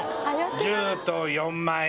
１０と４万円！